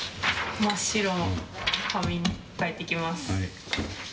真っ白の紙に書いていきます。